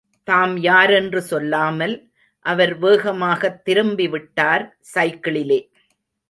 தாம் யாரென்று சொல்லாமல், அவர் வேகமாகத் திரும்பிவிட்டார், சைக்கிளிலே!